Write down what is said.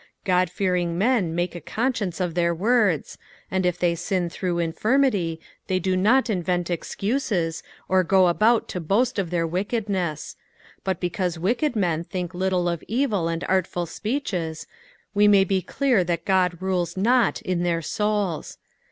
Ood fearing men make a conscience of their words, and if they sin tlirough infirmity they do not invent excuses, or go about to boast of their wickedne^ : but because wicked men think little of evil and artful speeches, we may be clear that God rules not in their souls.